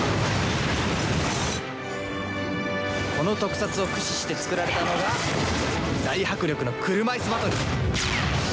この特撮を駆使して作られたのが大迫力の車いすバトル。